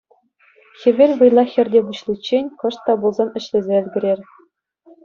Хӗвел вӑйлах хӗрте пуҫличчен кӑшт та пулсан ӗҫлесе ӗлкӗрер.